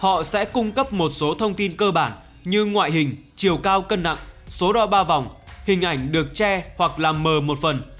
họ sẽ cung cấp một số thông tin cơ bản như ngoại hình chiều cao cân nặng số đo ba vòng hình ảnh được che hoặc làm mờ một phần